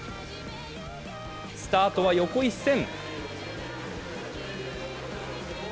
スタートは横一線。